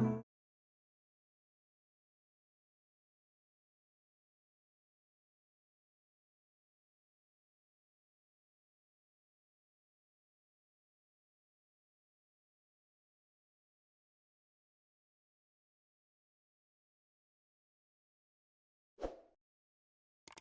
masih dengan perasaanku